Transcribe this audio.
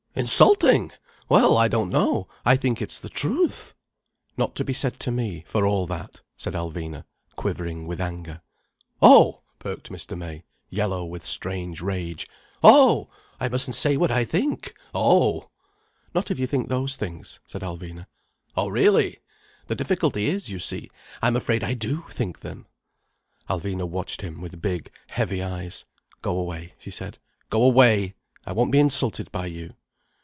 "Insulting! Well, I don't know. I think it's the truth—" "Not to be said to me, for all that," said Alvina, quivering with anger. "Oh!" perked Mr. May, yellow with strange rage. "Oh! I mustn't say what I think! Oh!" "Not if you think those things—" said Alvina. "Oh really! The difficulty is, you see, I'm afraid I do think them—" Alvina watched him with big, heavy eyes. "Go away," she said. "Go away! I won't be insulted by you."